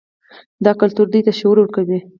دا کلتور دوی ته شعور ورکوي.